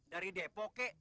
dari depo kek